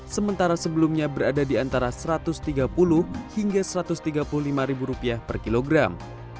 sementara sebelumnya berada di antara rp satu ratus tiga puluh hingga rp satu ratus tiga puluh lima per kilogram